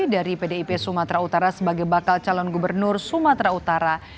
dari pdip sumatera utara sebagai bakal calon gubernur sumatera utara